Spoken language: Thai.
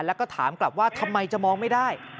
แล้วก็ถามกลับว่าทำไมจะมองไม่ได้